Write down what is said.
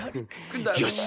よし。